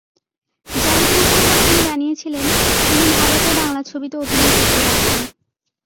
জাহিদ হাসান তখন জানিয়েছিলেন, তিনি ভারতের বাংলা ছবিতে অভিনয় করতে যাচ্ছেন।